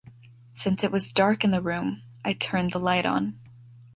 Since it was dark in the room, I turned the light on.